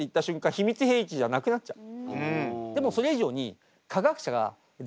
秘密兵器じゃなくなっちゃう。